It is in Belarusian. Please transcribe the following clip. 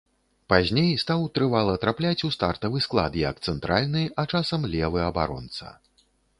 Пазней стаў трывала трапляць у стартавы склад як цэнтральны, а часам левы абаронца.